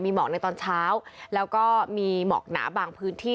หมอกในตอนเช้าแล้วก็มีหมอกหนาบางพื้นที่